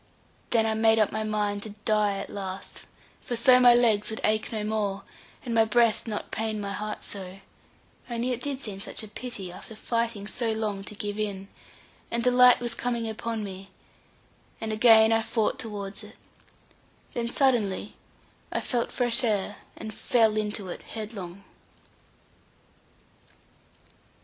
Then I made up my mind to die at last; for so my legs would ache no more, and my breath not pain my heart so; only it did seem such a pity after fighting so long to give in, and the light was coming upon me, and again I fought towards it; then suddenly I felt fresh air, and fell into it headlong.